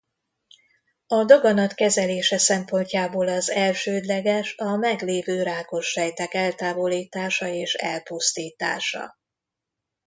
A daganat kezelése szempontjából az elsődleges a meglévő rákos sejtek eltávolítása és elpusztítása.